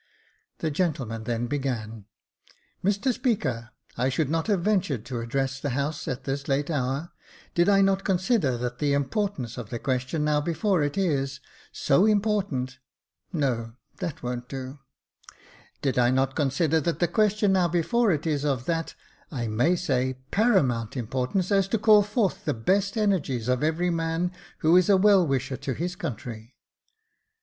The gentleman then began :" Mr Speaker, I should not have ventured to address the House at this late hour, did I not consider that the importance of the question now before it is — so important — no, that won't do — did I not consider that the question now before it is of that, I may say, paramount importance as to call forth the best energies of every man who is a well wisher to his country.